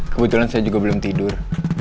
kebetulan saya juga belum tidur